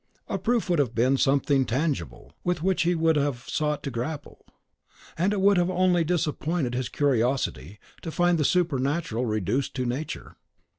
A proof would have been something tangible, with which he would have sought to grapple. And it would have only disappointed his curiosity to find the supernatural reduced to Nature.